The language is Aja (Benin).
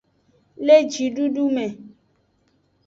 Le jidudu me.